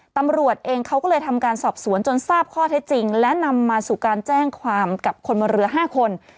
ตำรวจเองเขาก็เลยทำการสอบสวนจนทราบข้อเท็จจริงและนำมาสู่การแจ้งความกับคนบนเรือ๕คน